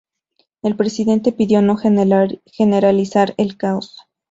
El presidente pidió no generalizar el caos.